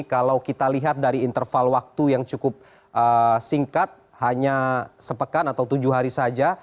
kalau kita lihat dari interval waktu yang cukup singkat hanya sepekan atau tujuh hari saja